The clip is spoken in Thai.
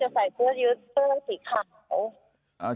หรือเช้าสีขาว